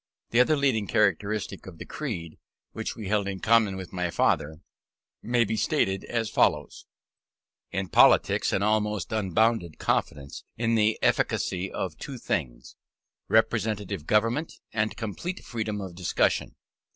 The other leading characteristics of the creed, which we held in common with my father, may be stated as follows: In politics, an almost unbounded confidence in the efficacy of two things: representative government, and complete freedom of discussion.